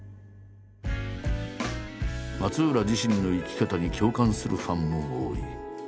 松浦自身の生き方に共感するファンも多い。